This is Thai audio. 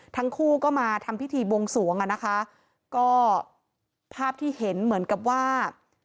ทั้งคู่ก็มาทำพิธีบวงสวงอ่ะนะคะก็ภาพที่เห็นเหมือนกับว่า